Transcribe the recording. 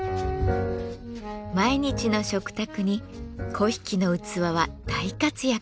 毎日の食卓に粉引の器は大活躍。